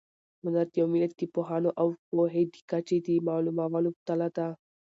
هنر د یو ملت د پوهانو او پوهې د کچې د معلومولو تله ده.